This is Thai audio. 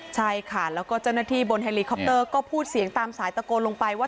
ใช่ค่ะแล้วก็เจ้าหน้าที่บนเฮลิคอปเตอร์ก็พูดเสียงตามสายตะโกนลงไปว่า